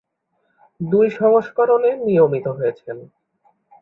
দুই সংস্করণে নিয়মিত হয়েছেন।